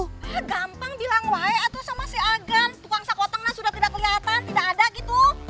hah gampang bilang wae atu sama si agan tukang sakutangnya sudah tidak kelihatan tidak ada gitu